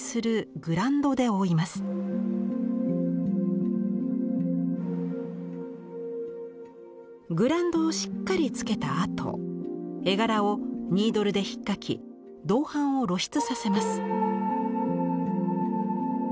グランドをしっかりつけたあと絵柄をニードルでひっかき銅版を露出させます。